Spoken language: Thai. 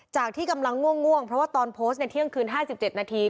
จากที่กำลังง่วงง่วงเพราะว่าตอนโพสต์ในเที่ยงคืนห้าสิบเจ็ดนาที